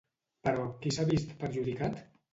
Però, qui s'ha vist perjudicat?